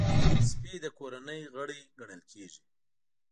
سپي د کورنۍ غړی ګڼل کېږي.